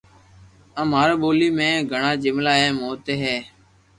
آ مارو ٻولي ۾ گھڙا جملا اي مون ٺي ھي